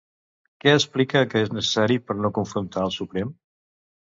Què explica que és necessari per no confrontar el Suprem?